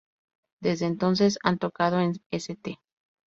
Desde entonces, han Tocado en St.